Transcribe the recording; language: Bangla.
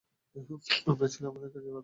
আপনার ছেলে আমাদের কাজে বাদা দিচ্ছে।